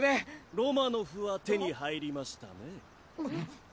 ロマノフは手に入りましたね。